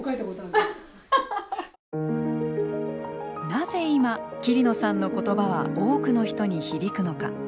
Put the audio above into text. なぜ今、桐野さんの言葉は多くの人に響くのか。